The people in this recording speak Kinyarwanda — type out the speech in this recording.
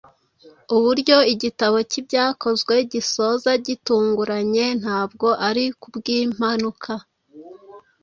Uburyo igitabo cy’Ibyakozwe gisoza gitunguranye ntabwo ari kubw’impanuka.